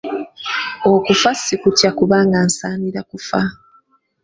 Okufa sikutya kubanga nsaanira kufa.